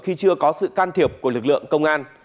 khi chưa có sự can thiệp của lực lượng công an